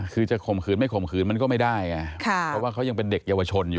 คือจะข่มขืนไม่ข่มขืนมันก็ไม่ได้ไงเพราะว่าเขายังเป็นเด็กเยาวชนอยู่